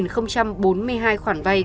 hai mươi ba bốn mươi hai khoản vay